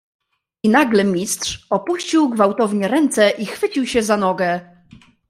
"I nagle Mistrz opuścił gwałtownie ręce i chwycił się za nogę."